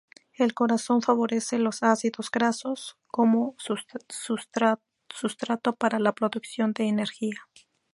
El corazón favorece los ácidos grasos como sustrato para la producción de energía.